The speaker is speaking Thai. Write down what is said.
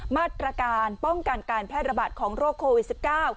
มาตรการป้องกันการแพร่ระบาดของโรคโควิด๑๙